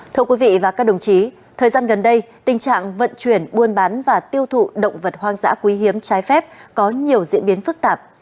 thưa quý vị và các đồng chí thời gian gần đây tình trạng vận chuyển buôn bán và tiêu thụ động vật hoang dã quý hiếm trái phép có nhiều diễn biến phức tạp